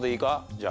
じゃあ。